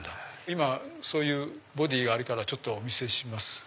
今そういうボディーがあるからちょっとお見せします。